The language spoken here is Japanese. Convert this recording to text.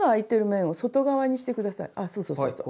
あそうそうそうそう。